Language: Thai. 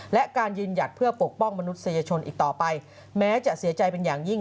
และการยืนหยัดเพื่อปกป้องมนุษยชนอีกต่อไปแม้จะเสียใจเป็นอย่างยิ่ง